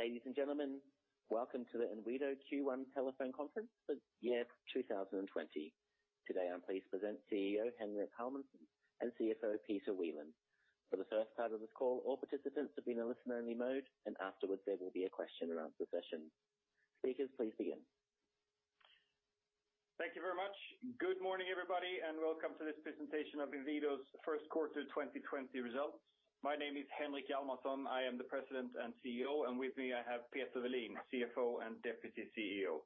Ladies and gentlemen, welcome to the Inwido Q1 telephone conference for the year 2020. Today, I'm pleased to present CEO, Henrik Hjalmarsson, and CFO, Peter Welin. For the first part of this call, all participants have been in listen-only mode, and afterwards there will be a question-and-answer session. Speakers, please begin. Thank you very much. Good morning, everybody, and welcome to this presentation of Inwido's first quarter 2020 results. My name is Henrik Hjalmarsson. I am the President and CEO, and with me I have Peter Welin, CFO and Deputy CEO.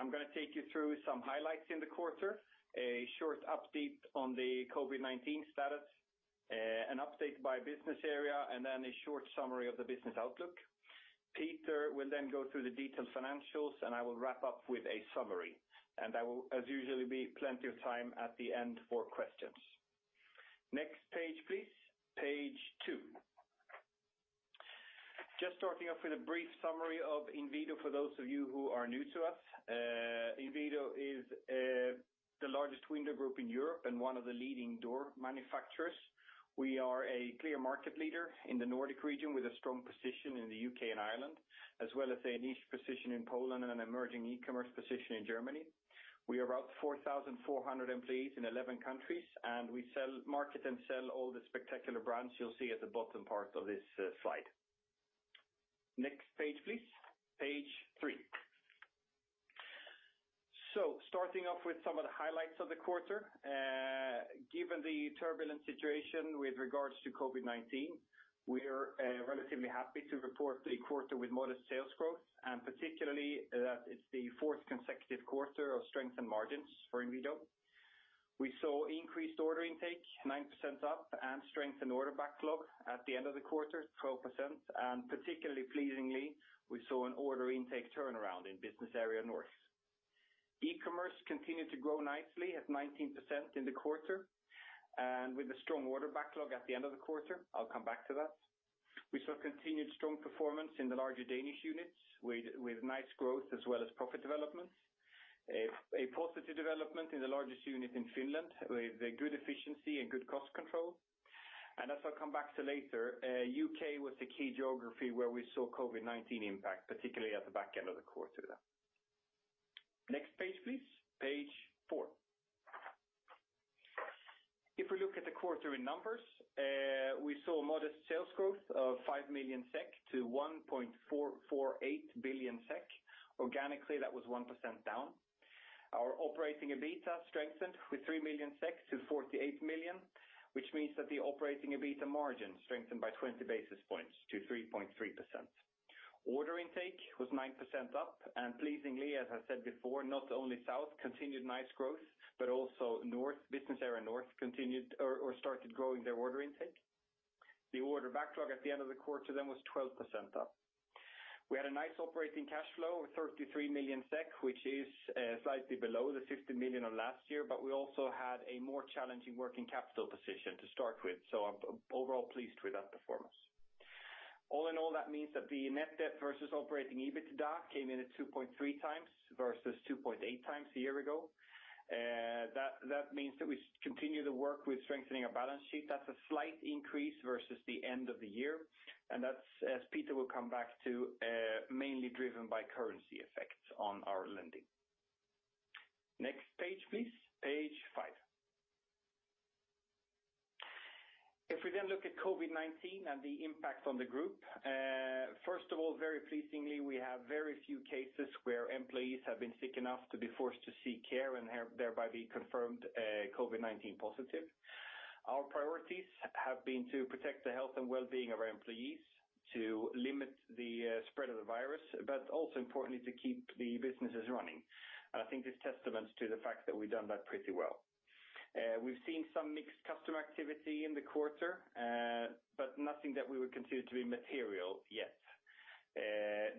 I'm going to take you through some highlights in the quarter, a short update on the COVID-19 status, an update by business area, and then a short summary of the business outlook. Peter will then go through the detailed financials, and I will wrap up with a summary. There will, as usually, be plenty of time at the end for questions. Next page, please. Page two. Just starting off with a brief summary of Inwido, for those of you who are new to us. Inwido is the largest window group in Europe and one of the leading door manufacturers. We are a clear market leader in the Nordic region with a strong position in the U.K. and Ireland, as well as a niche position in Poland and an emerging e-commerce position in Germany. We are about 4,400 employees in 11 countries, and we market and sell all the spectacular brands you'll see at the bottom part of this slide. Next page, please. Page three. Starting off with some of the highlights of the quarter. Given the turbulent situation with regards to COVID-19, we are relatively happy to report a quarter with modest sales growth, and particularly that it's the fourth consecutive quarter of strength and margins for Inwido. We saw increased order intake 9% up and strength in order backlog at the end of the quarter, 12%, and particularly pleasingly, we saw an order intake turnaround in Business Area Scandinavia. E-commerce continued to grow nicely at 19% in the quarter, with a strong order backlog at the end of the quarter. I'll come back to that. We saw continued strong performance in the larger Danish units with nice growth as well as profit developments. A positive development in the largest unit in Finland, with good efficiency and good cost control. As I'll come back to later, U.K. was the key geography where we saw COVID-19 impact, particularly at the back end of the quarter there. Next page, please. Page four. If we look at the quarter in numbers, we saw modest sales growth of 5 million SEK to 1.448 billion SEK. Organically, that was 1% down. Our operating EBITDA strengthened with 3 million SEK to 48 million, which means that the operating EBITDA margin strengthened by 20 basis points to 3.3%. Order intake was 9% up and pleasingly, as I said before, not only South continued nice growth, but also North, Business Area Scandinavia, started growing their order intake. The order backlog at the end of the quarter then was 12% up. We had a nice operating cash flow of 33 million SEK, which is slightly below the 60 million SEK of last year, but we also had a more challenging working capital position to start with. I'm overall pleased with that performance. All in all, that means that the net debt versus operating EBITDA came in at 2.3x versus 2.8x a year ago. That means that we continue to work with strengthening our balance sheet. That's a slight increase versus the end of the year. That's, as Peter will come back to, mainly driven by currency effects on our lending. Next page, please. Page five. If we look at COVID-19 and the impact on the group. First of all, very pleasingly, we have very few cases where employees have been sick enough to be forced to seek care and thereby be confirmed COVID-19 positive. Our priorities have been to protect the health and wellbeing of our employees, to limit the spread of the virus, but also importantly, to keep the businesses running. I think this testament to the fact that we've done that pretty well. We've seen some mixed customer activity in the quarter, but nothing that we would consider to be material yet.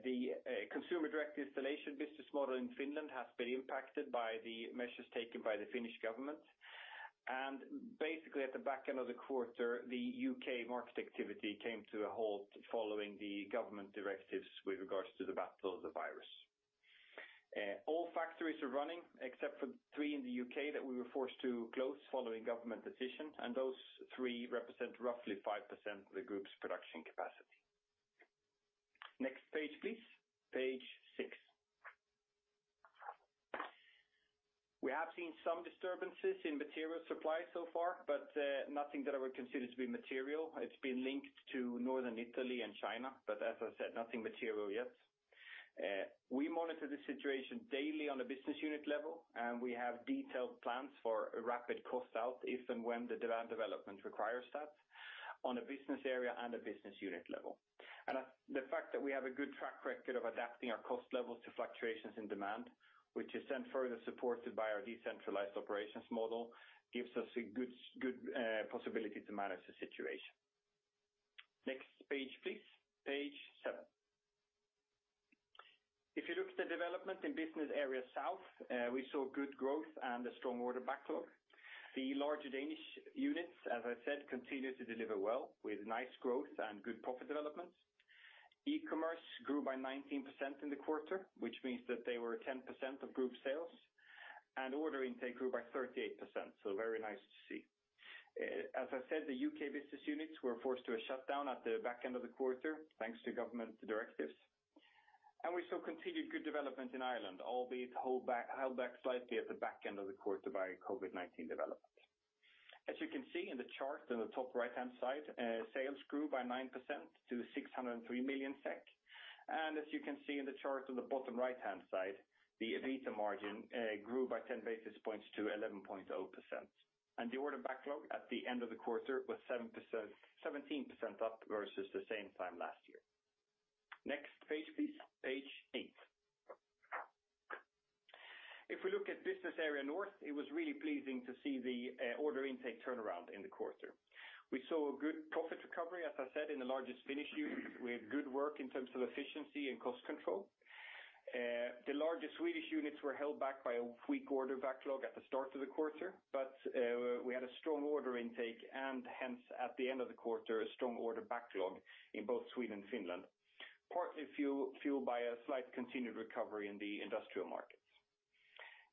The consumer direct installation business model in Finland has been impacted by the measures taken by the Finnish government. Basically at the back end of the quarter, the U.K. market activity came to a halt following the government directives with regards to the battle of the virus. All factories are running except for three in the U.K. that we were forced to close following government decision. Those three represent roughly 5% of the group's production capacity. Next page, please. Page six. We have seen some disturbances in material supply so far, but nothing that I would consider to be material. It's been linked to Northern Italy and China. As I said, nothing material yet. We monitor the situation daily on a business unit level. We have detailed plans for a rapid cost out if and when the demand development requires that on a business area and a business unit level. The fact that we have a good track record of adapting our cost levels to fluctuations in demand, which is then further supported by our decentralized operations model, gives us a good possibility to manage the situation. Next page, please. Page seven. If you look at the development in Business Area South, we saw good growth and a strong order backlog. The larger Danish units, as I said, continue to deliver well with nice growth and good profit developments. E-commerce grew by 19% in the quarter, which means that they were 10% of group sales. Order intake grew by 38%, so very nice to see. As I said, the U.K. business units were forced to a shutdown at the back end of the quarter, thanks to government directives. We saw continued good development in Ireland, albeit held back slightly at the back end of the quarter by COVID-19 development. As you can see in the chart on the top right-hand side, sales grew by 9% to 603 million SEK. As you can see in the chart on the bottom right-hand side, the EBITDA margin grew by 10 basis points to 11.0%. The order backlog at the end of the quarter was 17% up versus the same time last year. Next page, please. Page eight. If we look at Business Area North, it was really pleasing to see the order intake turnaround in the quarter. We saw a good profit recovery, as I said, in the largest Finnish unit. We had good work in terms of efficiency and cost control. The largest Swedish units were held back by a weak order backlog at the start of the quarter, but we had a strong order intake and hence, at the end of the quarter, a strong order backlog in both Sweden and Finland, partly fueled by a slight continued recovery in the industrial markets.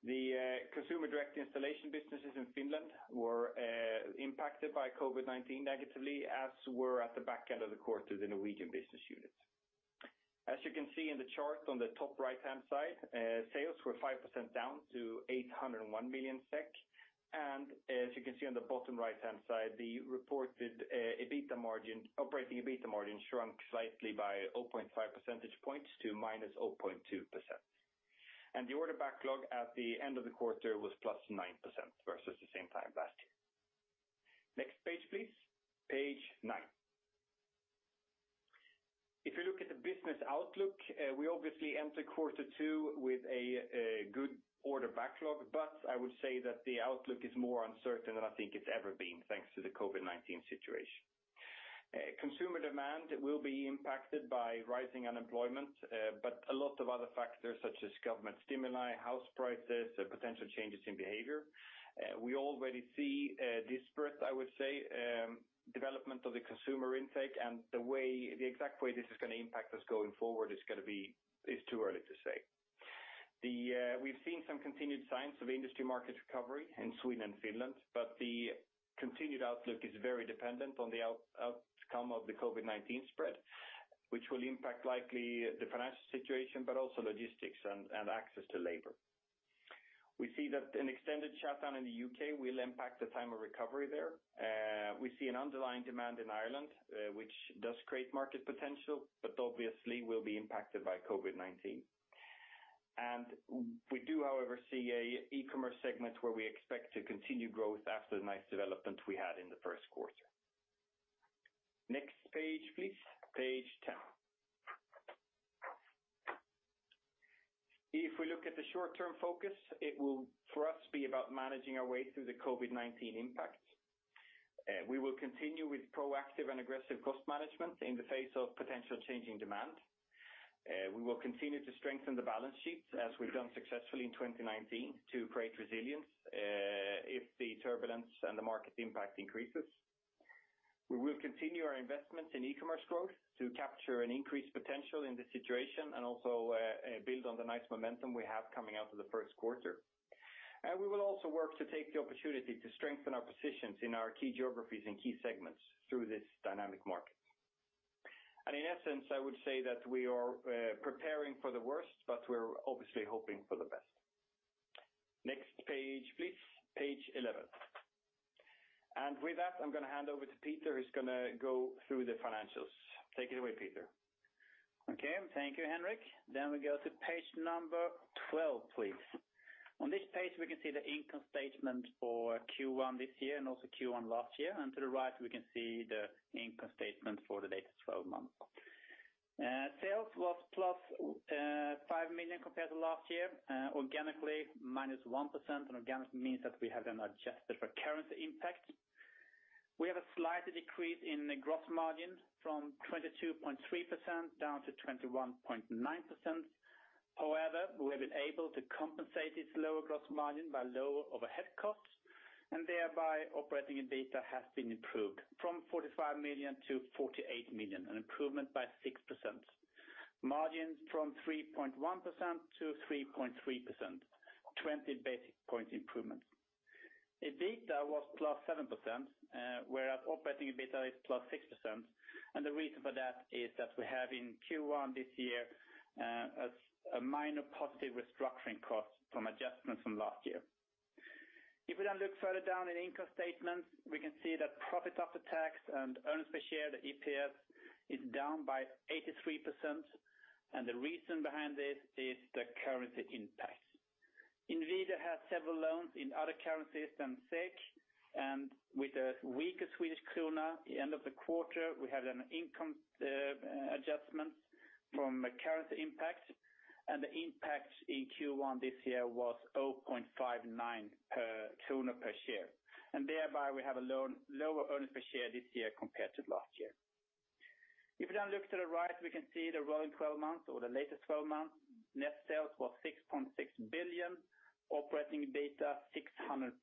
The consumer direct installation businesses in Finland were impacted by COVID-19 negatively, as were, at the back end of the quarter, the Norwegian business unit. As you can see in the chart on the top right-hand side, sales were 5% down to 801 million SEK, and as you can see on the bottom right-hand side, the reported operating EBITDA margin shrunk slightly by 0.5 percentage points to minus 0.2%. The order backlog at the end of the quarter was plus 9% versus the same time last year. Next page, please. Page nine. If you look at the business outlook, we obviously enter quarter two with a good order backlog, but I would say that the outlook is more uncertain than I think it's ever been, thanks to the COVID-19 situation. Consumer demand will be impacted by rising unemployment, but a lot of other factors such as government stimuli, house prices, potential changes in behavior. We already see a dispersed, I would say, development of the consumer intake, and the exact way this is going to impact us going forward is too early to say. We've seen some continued signs of industry market recovery in Sweden and Finland, but the continued outlook is very dependent on the outcome of the COVID-19 spread, which will impact likely the financial situation, but also logistics and access to labor. We see that an extended shutdown in the U.K. will impact the time of recovery there. We see an underlying demand in Ireland, which does create market potential, but obviously will be impacted by COVID-19. We do, however, see an e-commerce segment where we expect to continue growth after the nice development we had in the first quarter. Next page, please. Page 10. If we look at the short-term focus, it will, for us, be about managing our way through the COVID-19 impact. We will continue with proactive and aggressive cost management in the face of potential changing demand. We will continue to strengthen the balance sheet, as we've done successfully in 2019 to create resilience if the turbulence and the market impact increases. We will continue our investment in e-commerce growth to capture an increased potential in this situation and also build on the nice momentum we have coming out of the first quarter. We will also work to take the opportunity to strengthen our positions in our key geographies and key segments through this dynamic market. In essence, I would say that we are preparing for the worst, but we're obviously hoping for the best. Next page, please. Page 11. With that, I'm going to hand over to Peter, who's going to go through the financials. Take it away, Peter. Okay. Thank you, Henrik. We go to page 12, please. On this page, we can see the income statement for Q1 this year and also Q1 last year. To the right, we can see the income statement for the latest 12 months. Sales was +5 million compared to last year, organically -1%, organic means that we have them adjusted for currency impact. We have a slight decrease in the gross margin from 22.3% down to 21.9%. However, we have been able to compensate this lower gross margin by lower overhead costs, thereby operating EBITDA has been improved from 45 million to 48 million, an improvement by 6%. Margins from 3.1% to 3.3%, 20 basis points improvement. EBITDA was +7%, whereas operating EBITDA is +6%, and the reason for that is that we have in Q1 this year a minor positive restructuring cost from adjustments from last year. If we look further down at income statement, we can see that profit after tax and earnings per share, the EPS, is down by 83%, and the reason behind this is the currency impact. Inwido has several loans in other currencies than SEK, and with a weaker Swedish krona at the end of the quarter, we had an income adjustment from a currency impact, and the impact in Q1 this year was 0.59 per krona per share. Thereby we have a lower earnings per share this year compared to last year. If we look to the right, we can see the rolling 12 months or the latest 12 months. Net sales was 6.6 billion, operating EBITDA 648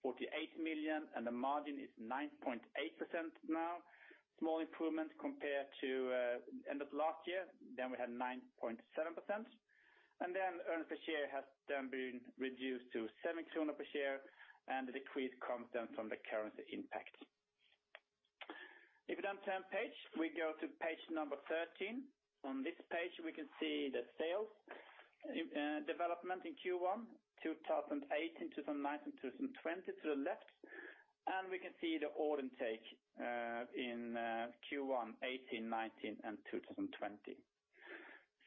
million, and the margin is 9.8% now. Small improvement compared to end of last year. We had 9.7%. Earnings per share has then been reduced to 7 kronor per share, and the decrease comes then from the currency impact. If you then turn page, we go to page 13. On this page, we can see the sales development in Q1 2018, 2019, 2020 to the left, and we can see the order intake in Q1 2018, 2019, and 2020.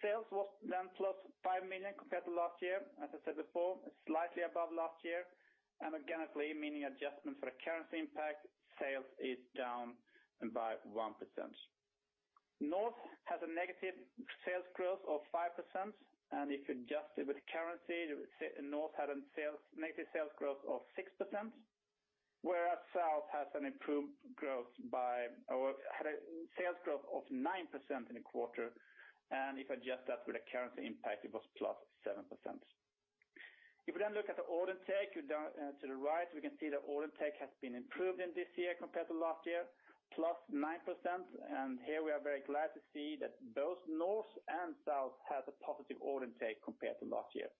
Sales was then plus 5 million compared to last year. As I said before, slightly above last year, and organically, meaning adjustment for the currency impact, sales is down by 1%. North has a negative sales growth of 5%, and if adjusted with currency, North had a negative sales growth of 6%, whereas South has an improved sales growth of 9% in a quarter. If adjusted with a currency impact, it was plus 7%. If you look at the order intake to the right, we can see the order intake has been improved in this year compared to last year, plus 9%. Here we are very glad to see that both North and South have a positive order intake compared to last year.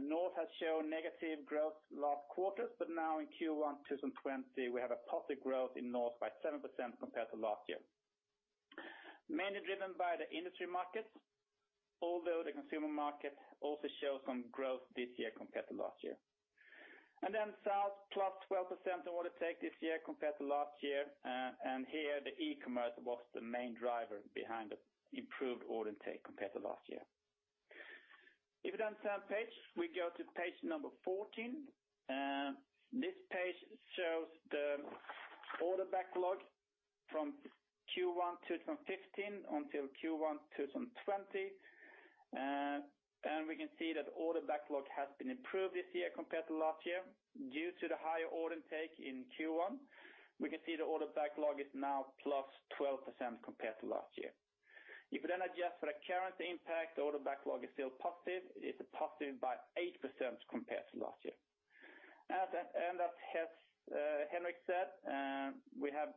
North has shown negative growth last quarters, now in Q1 2020, we have a positive growth in North by 7% compared to last year. Mainly driven by the industry markets, although the consumer market also shows some growth this year compared to last year. South, +12% order take this year compared to last year. Here, the e-commerce was the main driver behind the improved order take compared to last year. If you then turn page, we go to page number 14. This page shows the order backlog from Q1 2015 until Q1 2020. We can see that order backlog has been improved this year compared to last year. Due to the higher order intake in Q1, we can see the order backlog is now +12% compared to last year. If you then adjust for the currency impact, the order backlog is still positive. It is positive by 8% compared to last year. As Henrik said, we have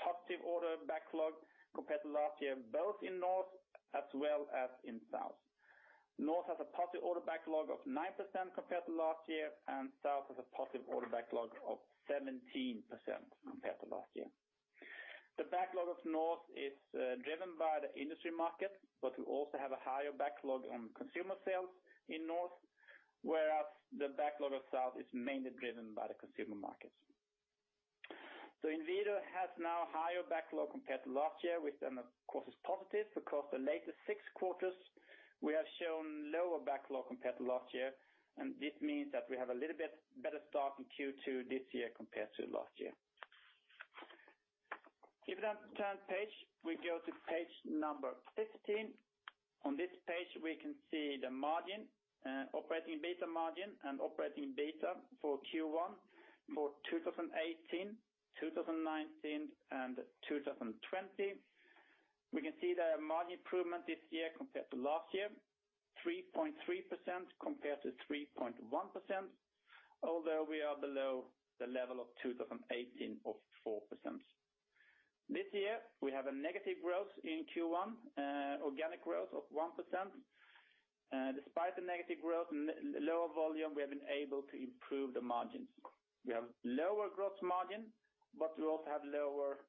positive order backlog compared to last year, both in North as well as in South. Business Area Scandinavia has a positive order backlog of 9% compared to last year, and Business Area South has a positive order backlog of 17% compared to last year. The backlog of Business Area Scandinavia is driven by the industry market, but we also have a higher backlog on consumer sales in Business Area Scandinavia, whereas the backlog of Business Area South is mainly driven by the consumer markets. Inwido has now higher backlog compared to last year, which then, of course, is positive because the latest six quarters, we have shown lower backlog compared to last year. This means that we have a little bit better start in Q2 this year compared to last year. If you then turn page, we go to page number 15. On this page, we can see the margin, operating EBITDA margin and operating EBITDA for Q1 for 2018, 2019, and 2020. We can see the margin improvement this year compared to last year, 3.3% compared to 3.1%, although we are below the level of 2018 of 4%. This year, we have a negative growth in Q1, organic growth of 1%. Despite the negative growth and lower volume, we have been able to improve the margins. We have lower gross margin. We also have lower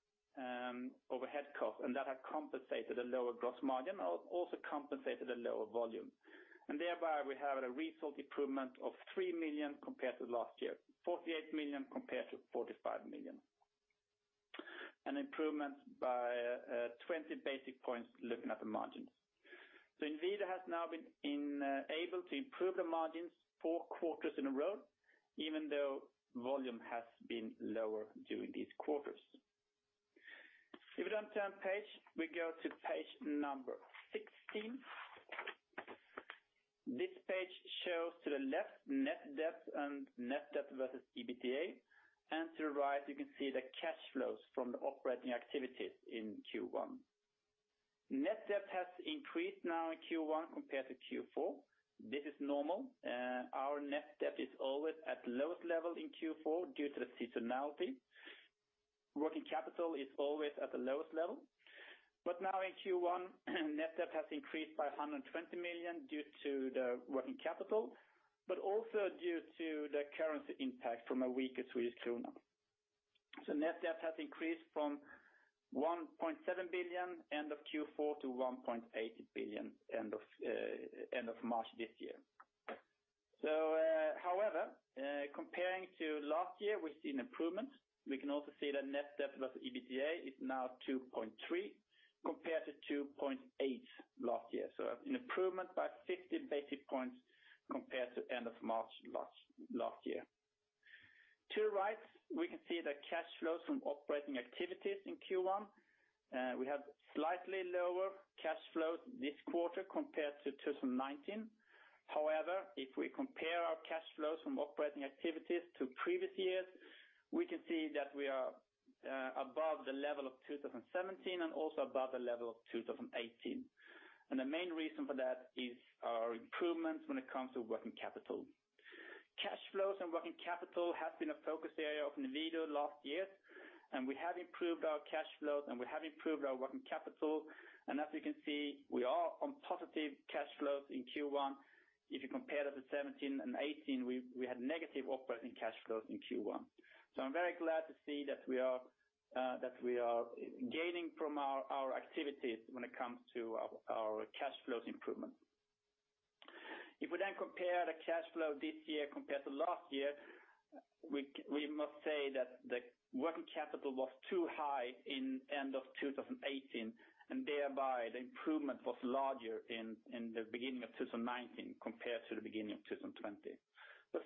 overhead costs, and that has compensated the lower gross margin, and also compensated the lower volume. Thereby, we have a result improvement of 3 million compared to last year, 48 million compared to 45 million. An improvement by 20 basis points looking at the margins. Inwido has now been able to improve the margins four quarters in a row, even though volume has been lower during these quarters. If you turn page, we go to page number 16. This page shows to the left net debt and net debt versus EBITDA, and to the right, you can see the cash flows from the operating activities in Q1. Net debt has increased now in Q1 compared to Q4. This is normal. Our net debt is always at the lowest level in Q4 due to the seasonality. Working capital is always at the lowest level. Now in Q1, net debt has increased by 120 million due to the working capital, but also due to the currency impact from a weaker Swedish krona. Net debt has increased from 1.7 billion end of Q4 to 1.8 billion end of March this year. However, comparing to last year, we've seen improvement. We can also see that net debt plus EBITDA is now 2.3 compared to 2.8 last year. An improvement by 50 basis points compared to end of March last year. To the right, we can see the cash flows from operating activities in Q1. We have slightly lower cash flows this quarter compared to 2019. However, if we compare our cash flows from operating activities to previous years, we can see that we are above the level of 2017 and also above the level of 2018. The main reason for that is our improvements when it comes to working capital. Cash flows and working capital has been a focus area of Inwido last year, and we have improved our cash flows, and we have improved our working capital. As you can see, we are on positive cash flows in Q1. If you compare to the 2017 and 2018, we had negative operating cash flows in Q1. I'm very glad to see that we are gaining from our activities when it comes to our cash flows improvement. If we compare the cash flow this year compared to last year, we must say that the working capital was too high in end of 2018, and thereby the improvement was larger in the beginning of 2019 compared to the beginning of 2020.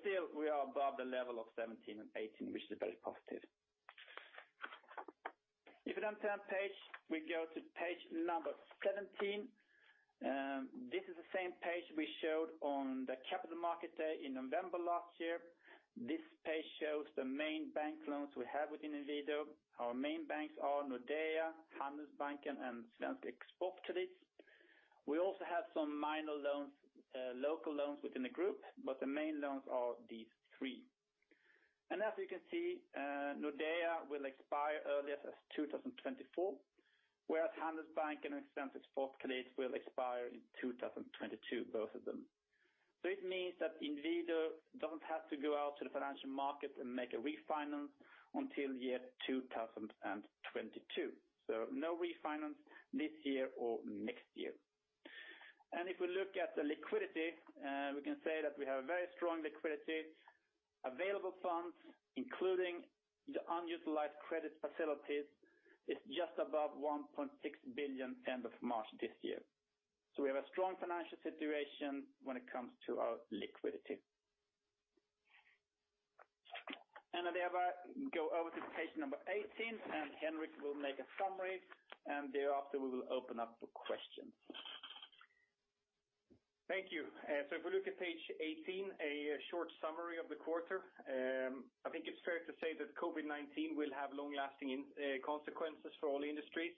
Still, we are above the level of 2017 and 2018, which is very positive. If we turn page, we go to page number 17. This is the same page we showed on the capital market day in November last year. This page shows the main bank loans we have within Inwido. Our main banks are Nordea, Handelsbanken, and Svensk Exportkredit. We also have some minor local loans within the group, but the main loans are these three. As you can see, Nordea will expire earliest as 2024, whereas Handelsbanken and Svensk Exportkredit will expire in 2022, both of them. It means that Inwido doesn't have to go out to the financial market and make a refinance until year 2022. No refinance this year or next year. If we look at the liquidity, we can say that we have a very strong liquidity. Available funds, including the unutilized credit facilities, is just above 1.6 billion end of March this year. We have a strong financial situation when it comes to our liquidity. I thereby go over to page number 18, and Henrik will make a summary, and thereafter we will open up for questions. Thank you. If we look at page 18, a short summary of the quarter. I think it's fair to say that COVID-19 will have long-lasting consequences for all industries,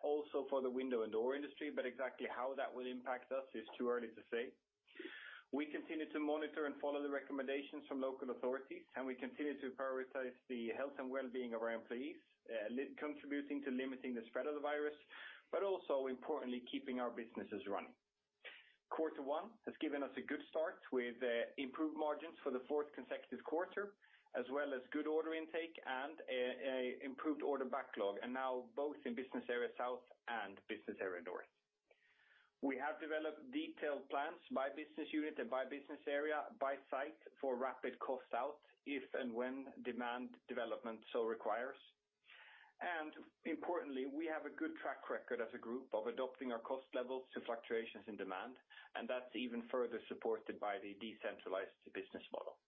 also for the window and door industry, but exactly how that will impact us is too early to say. We continue to monitor and follow the recommendations from local authorities, and we continue to prioritize the health and well-being of our employees, contributing to limiting the spread of the virus, but also importantly, keeping our businesses running. Quarter one has given us a good start with improved margins for the fourth consecutive quarter, as well as good order intake and an improved order backlog, and now both in Business Area South and business area north. We have developed detailed plans by business unit and by business area, by site, for rapid cost out, if and when demand development so requires. Importantly, we have a good track record as a group of adopting our cost levels to fluctuations in demand, and that's even further supported by the decentralized business model.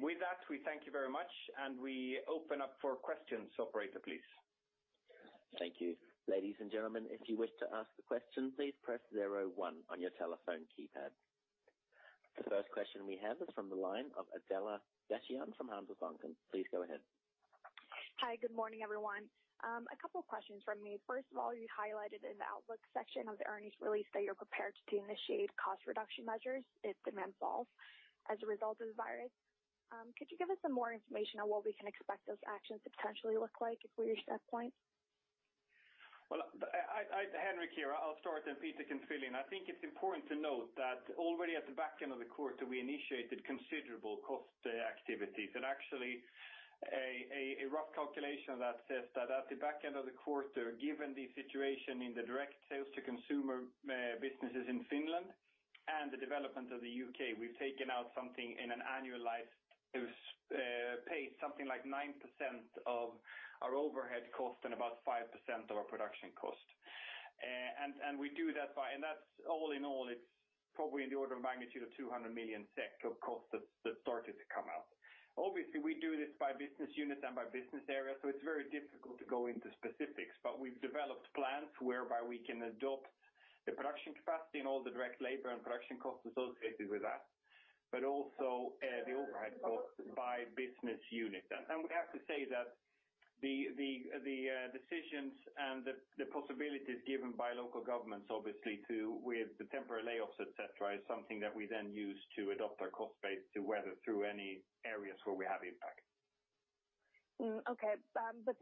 With that, we thank you very much, and we open up for questions. Operator, please. Thank you. Ladies and gentlemen, if you wish to ask a question, please press zero one on your telephone keypad. The first question we have is from the line of Adela Gaete from Handelsbanken. Please go ahead. Hi, good morning, everyone. A couple of questions from me. First of all, you highlighted in the outlook section of the earnings release that you're prepared to initiate cost reduction measures if demand falls as a result of the virus. Could you give us some more information on what we can expect those actions to potentially look like if we reach that point? Well, Henrik here, I'll start and Peter can fill in. I think it's important to note that already at the back end of the quarter, we initiated considerable cost activities. Actually, a rough calculation that says that at the back end of the quarter, given the situation in the direct sales to consumer businesses in Finland and the development of the U.K., we've taken out something in an annualized pace, something like 9% of our overhead cost and about 5% of our production cost. That's all in all, it's probably in the order of magnitude of 200 million SEK of cost that started to come out. Obviously, we do this by business unit and by business area, so it's very difficult to go into specifics, but we've developed plans whereby we can adopt the production capacity and all the direct labor and production costs associated with that, but also the overhead cost by business unit. We have to say that the decisions and the possibilities given by local governments, obviously, with the temporary layoffs, et cetera, is something that we then use to adopt our cost base to weather through any areas where we have impact. Okay.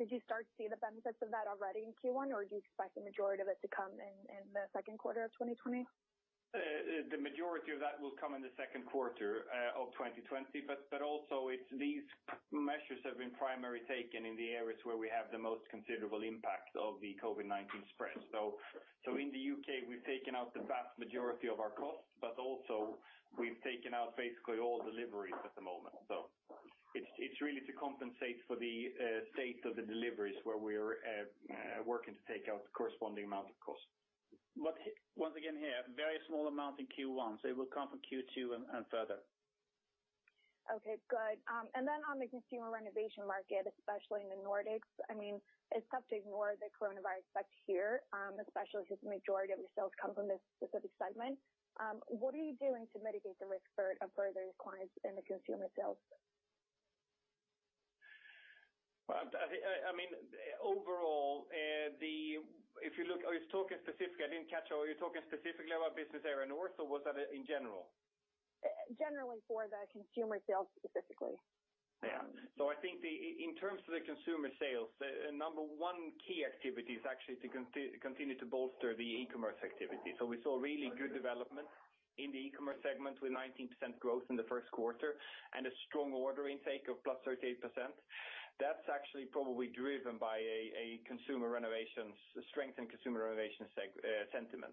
Did you start to see the benefits of that already in Q1, or do you expect the majority of it to come in the second quarter of 2020? The majority of that will come in the second quarter of 2020. Also, these measures have been primarily taken in the areas where we have the most considerable impact of the COVID-19 spread. In the U.K., we've taken out the vast majority of our costs. Also, we've taken out basically all deliveries at the moment. It's really to compensate for the state of the deliveries where we're working to take out the corresponding amount of cost. Once again here, very small amount in Q1. It will come from Q2 and further. Okay, good. On the consumer renovation market, especially in the Nordics, it's tough to ignore the coronavirus effect here, especially since the majority of your sales come from this specific segment. What are you doing to mitigate the risk for a further decline in the consumer sales? I mean, overall, are you talking specifically? I didn't catch, are you talking specifically about Business Area North, or was that in general? Generally for the consumer sales specifically. Yeah. I think in terms of the consumer sales. The number one key activity is actually to continue to bolster the e-commerce activity. We saw really good development in the e-commerce segment with 19% growth in the first quarter, and a strong order intake of +38%. That's actually probably driven by a strengthened consumer renovations sentiment.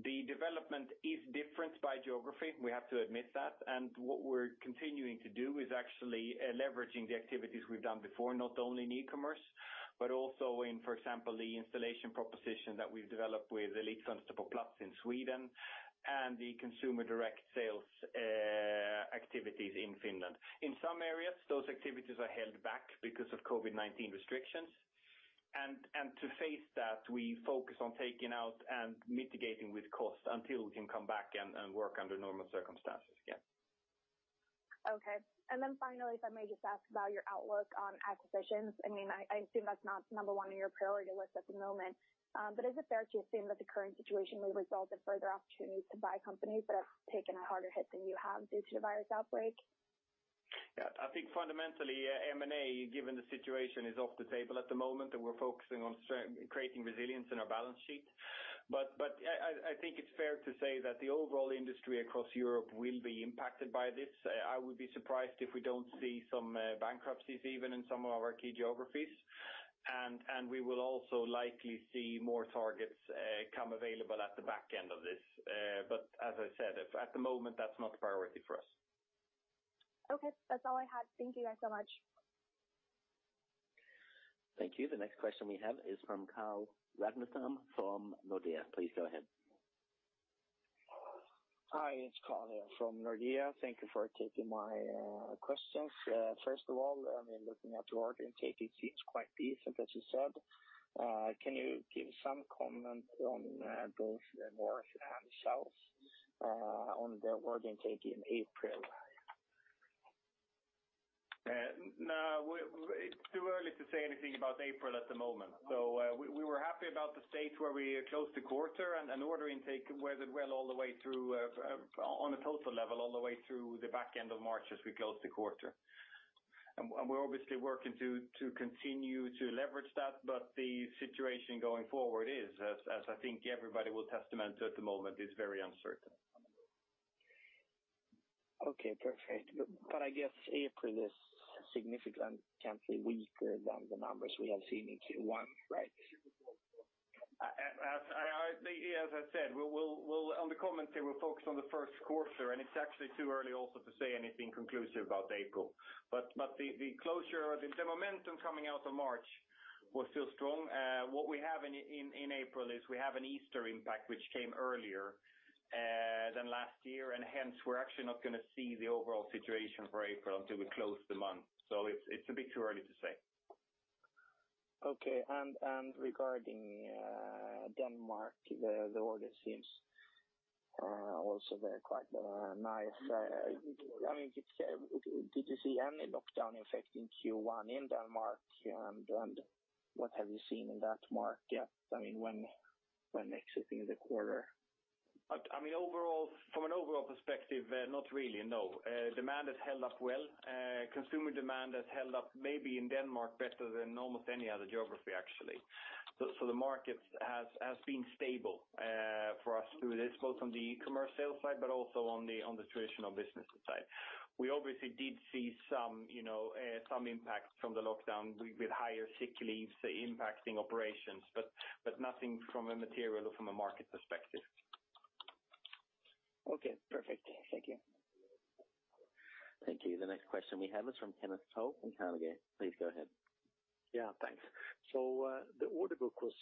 The development is different by geography, we have to admit that. What we're continuing to do is actually leveraging the activities we've done before, not only in e-commerce, but also in, for example, the installation proposition that we've developed with Elitfönster Plus in Sweden and the consumer direct sales activities in Finland. In some areas, those activities are held back because of COVID-19 restrictions. To face that, we focus on taking out and mitigating with cost until we can come back and work under normal circumstances again. Okay. Finally, if I may just ask about your outlook on acquisitions. I assume that's not number one on your priority list at the moment. Is it fair to assume that the current situation may result in further opportunities to buy companies that have taken a harder hit than you have due to the virus outbreak? I think fundamentally, M&A, given the situation, is off the table at the moment, and we're focusing on creating resilience in our balance sheet. I think it's fair to say that the overall industry across Europe will be impacted by this. I would be surprised if we don't see some bankruptcies even in some of our key geographies. We will also likely see more targets come available at the back end of this. As I said, at the moment, that's not a priority for us. Okay. That's all I had. Thank you guys so much. Thank you. The next question we have is from Carl Ragnerstam from Nordea. Please go ahead. Hi, it's Carl from Nordea. Thank you for taking my questions. First of all, looking at your order intake, it seems quite decent as you said. Can you give some comment on both the North and South on the order intake in April? No. It's too early to say anything about April at the moment. We were happy about the state where we closed the quarter, and order intake weathered well on a total level, all the way through the back end of March as we closed the quarter. We're obviously working to continue to leverage that, but the situation going forward is, as I think everybody will testament to at the moment, is very uncertain. Okay, perfect. I guess April is significantly weaker than the numbers we have seen in Q1, right? As I said, on the comments here, we're focused on the first quarter, it's actually too early also to say anything conclusive about April. The momentum coming out of March was still strong. What we have in April is we have an Easter impact, which came earlier than last year, and hence we're actually not going to see the overall situation for April until we close the month. It's a bit too early to say. Okay. Regarding Denmark, the order seems also quite nice. Did you see any lockdown effect in Q1 in Denmark? What have you seen in that market when exiting the quarter? From an overall perspective, not really, no. Demand has held up well. Consumer demand has held up maybe in Denmark better than almost any other geography, actually. The market has been stable for us through this, both on the e-commerce sales side, but also on the traditional businesses side. We obviously did see some impact from the lockdown with higher sick leaves impacting operations, but nothing from a material or from a market perspective. Okay, perfect. Thank you. Thank you. The next question we have is from Kenneth Toll from Carnegie. Please go ahead. The order book was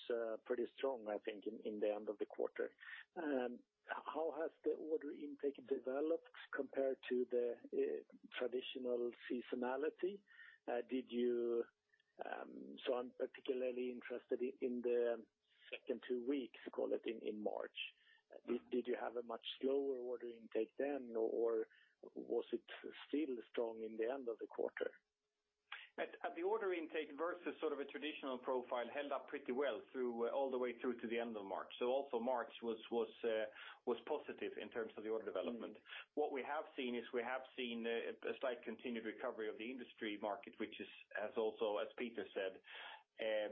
pretty strong, I think, in the end of the quarter. How has the order intake developed compared to the traditional seasonality? I'm particularly interested in the second two weeks, call it, in March. Did you have a much slower order intake then, or was it still strong in the end of the quarter? The order intake versus sort of a traditional profile held up pretty well all the way through to the end of March. Also March was positive in terms of the order development. What we have seen is we have seen a slight continued recovery of the industry market, which is also, as Peter said,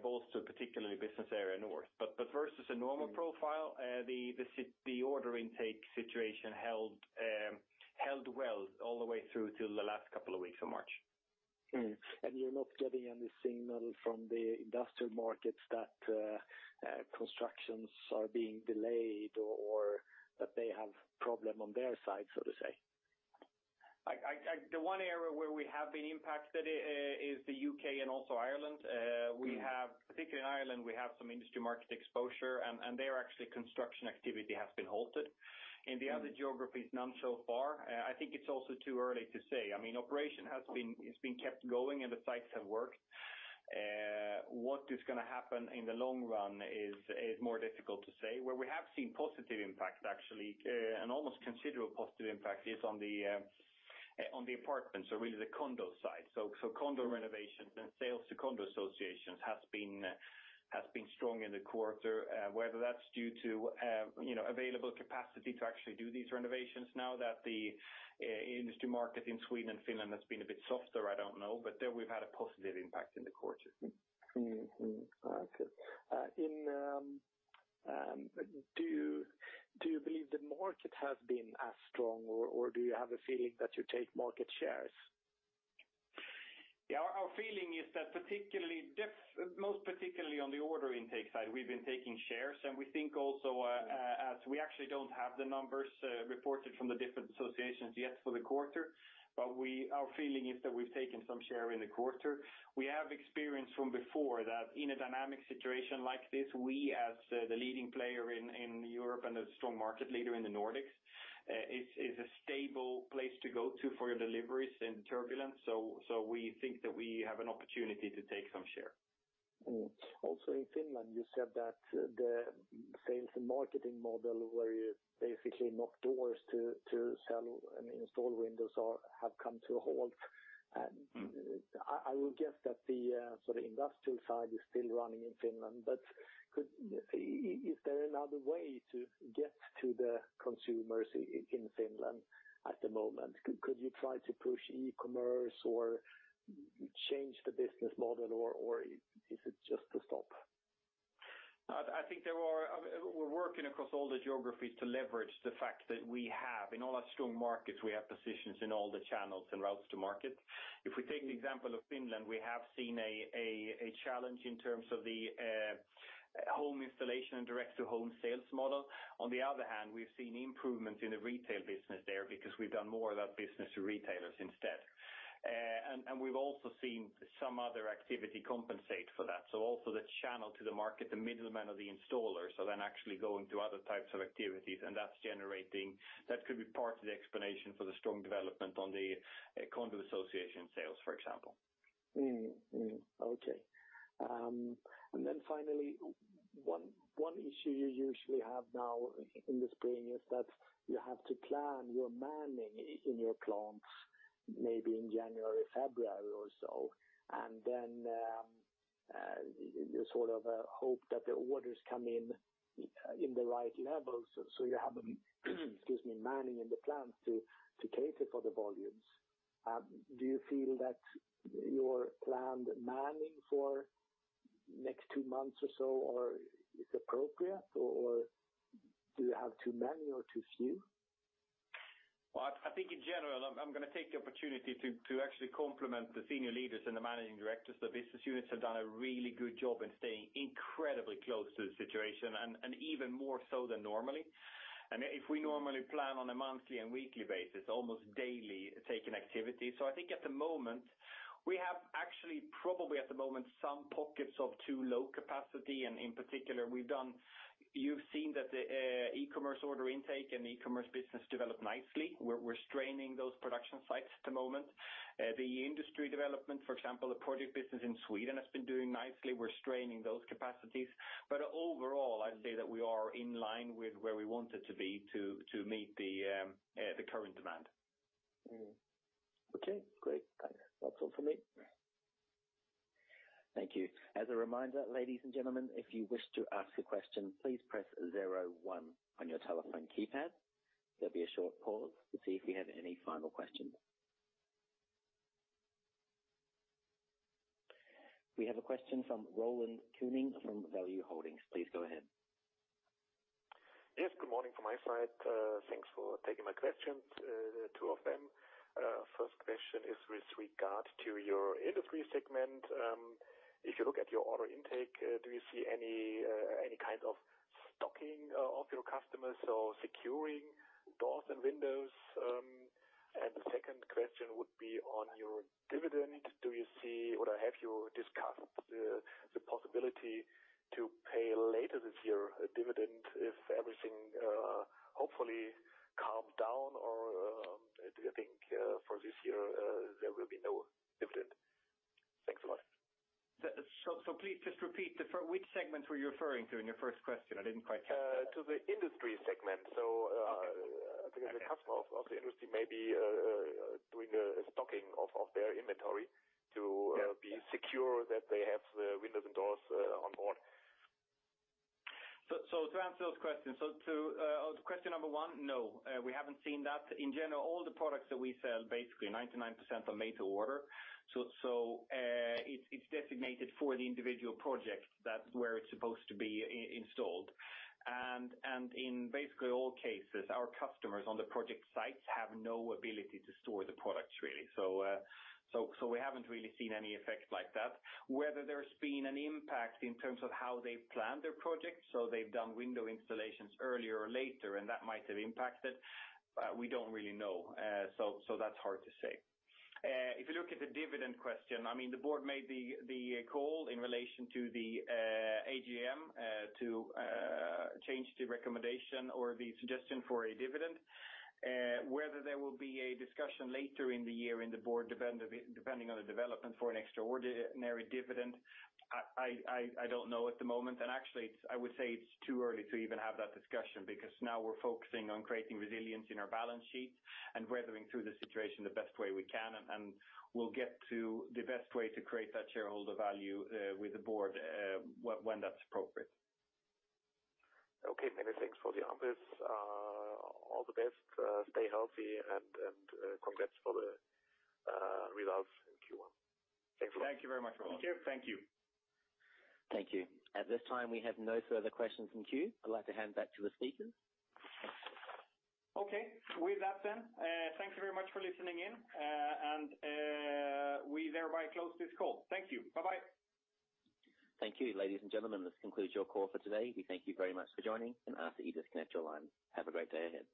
both to a particular business area north. Versus a normal profile, the order intake situation held well all the way through till the last couple of weeks of March. You're not getting any signal from the industrial markets that constructions are being delayed or that they have problem on their side, so to say? The one area where we have been impacted is the U.K. and also Ireland. Particularly in Ireland, we have some industry market exposure, and there actually construction activity has been halted. In the other geographies, none so far. I think it's also too early to say. Operation has been kept going and the sites have worked. What is going to happen in the long run is more difficult to say. Where we have seen positive impact actually, and almost considerable positive impact, is on the apartments, so really the condo side. Condo renovations and sales to condo associations has been strong in the quarter. Whether that's due to available capacity to actually do these renovations now that the industry market in Sweden and Finland has been a bit softer, I don't know, but there we've had a positive impact in the quarter. Okay. Do you believe the market has been as strong, or do you have a feeling that you take market shares? Yeah. Our feeling is that most particularly on the order intake side, we've been taking shares, and we think also as we actually don't have the numbers reported from the different associations yet for the quarter. Our feeling is that we've taken some share in the quarter. We have experience from before that in a dynamic situation like this, we as the leading player in Europe and a strong market leader in the Nordics, it's a stable place to go to for your deliveries in turbulence. We think that we have an opportunity to take some share. Also, in Finland, you said that the sales and marketing model where you basically knock doors to sell and install windows have come to a halt. I would guess that the industrial side is still running in Finland. Is there another way to get to the consumers in Finland at the moment? Could you try to push e-commerce or change the business model, or is it just a stop? I think we're working across all the geographies to leverage the fact that we have, in all our strong markets, we have positions in all the channels and routes to market. If we take the example of Finland, we have seen a challenge in terms of the home installation and direct-to-home sales model. On the other hand, we've seen improvements in the retail business there because we've done more of that business to retailers instead. We've also seen some other activity compensate for that. Also the channel to the market, the middlemen or the installers are then actually going to other types of activities, and that could be part of the explanation for the strong development on the condo association sales, for example. Okay. Finally, one issue you usually have now in the spring is that you have to plan your manning in your plants, maybe in January, February or so, and then you sort of hope that the orders come in in the right levels, so you have the excuse me, manning in the plants to cater for the volumes. Do you feel that your planned manning for next two months or so is appropriate, or do you have too many or too few? Well, I think in general, I'm going to take the opportunity to actually compliment the senior leaders and the managing directors. The business units have done a really good job in staying incredibly close to the situation, and even more so than normally. If we normally plan on a monthly and weekly basis, almost daily take an activity. I think at the moment we have actually probably at the moment some pockets of too low capacity, and in particular, you've seen that the e-commerce order intake and e-commerce business develop nicely. We're straining those production sites at the moment. The industry development, for example, the project business in Sweden has been doing nicely. We're straining those capacities. Overall, I'd say that we are in line with where we wanted to be to meet the current demand. Okay, great. Thanks. That's all for me. Thank you. As a reminder, ladies and gentlemen, if you wish to ask a question, please press 01 on your telephone keypad. There'll be a short pause to see if we have any final questions. We have a question from Roland Könen from Value-Holdings. Please go ahead. Good morning from my side. Thanks for taking my questions, there are two of them. First question is with regard to your industry segment. If you look at your order intake, do you see any kind of stocking of your customers or securing doors and windows? The second question would be on your dividend. Have you discussed the possibility to pay later this year a dividend if everything hopefully calm down, or do you think for this year there will be no dividend? Thanks a lot. Please just repeat, which segment were you referring to in your first question? I didn't quite catch that. To the industry segment. I think the customer of the industry may be doing a stocking of their inventory to be secure that they have the windows and doors on board. To answer those questions. To question number one, no. We haven't seen that. In general, all the products that we sell, basically 99% are made to order. It's designated for the individual project. That's where it's supposed to be installed. In basically all cases, our customers on the project sites have no ability to store the products, really. We haven't really seen any effect like that. Whether there's been an impact in terms of how they plan their projects, so they've done window installations earlier or later, and that might have impacted, we don't really know. That's hard to say. If you look at the dividend question, the board made the call in relation to the AGM to change the recommendation or the suggestion for a dividend. Whether there will be a discussion later in the year in the board, depending on the development for an extraordinary dividend, I don't know at the moment. Actually, I would say it's too early to even have that discussion because now we're focusing on creating resilience in our balance sheet and weathering through the situation the best way we can. We'll get to the best way to create that shareholder value with the board when that's appropriate. Okay, many thanks for the answers. All the best, stay healthy, and congrats for the results in Q1. Thanks a lot. Thank you very much, Roland. Thank you. Thank you. At this time, we have no further questions in queue. I'd like to hand back to the speakers. Okay. With that, thank you very much for listening in. We thereby close this call. Thank you. Bye-bye. Thank you, ladies and gentlemen, this concludes your call for today. We thank you very much for joining and ask that you disconnect your line. Have a great day ahead.